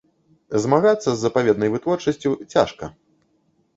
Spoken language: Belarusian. Змагацца з запаведнай вытворчасцю цяжка.